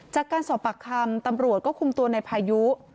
จากการสอบปากคำตำรวจก็คุมตัวในพายุ